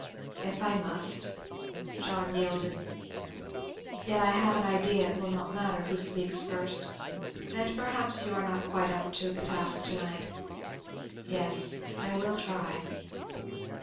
"If I must," John yielded. "Yet I have an idea it will not matter who speaks first, and perhaps you are not quite up to the task to night. Yes, I will try."